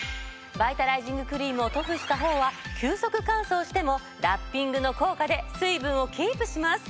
バイタライジングクリームを塗布したほうは急速乾燥してもラッピングの効果で水分をキープします。